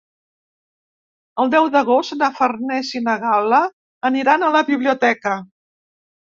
El deu d'agost na Farners i na Gal·la aniran a la biblioteca.